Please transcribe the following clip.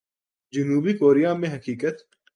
جنوبی کوریا میں حقیقت۔